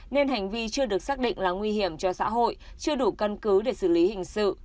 nên hành vi chưa được xác định là nguy hiểm cho xã hội chưa đủ căn cứ để xử lý hình sự